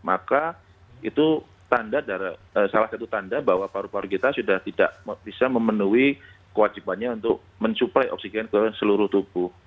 maka itu salah satu tanda bahwa paru paru kita sudah tidak bisa memenuhi kewajibannya untuk mensuplai oksigen ke seluruh tubuh